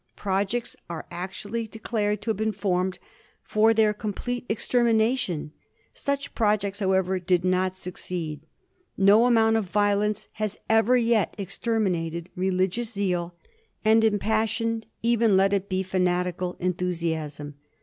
Projects are actually de clared to have been formed for their complete extermina tion. Such projects, however, do not succeed. No amount of violence has ever yet exterminated religious zeal and im passioned, even let it be fanatical, enthusiasm.